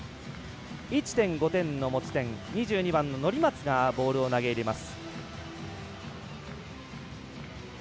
１．５点の持ち点２２番の乗松がボールを投げ入れます。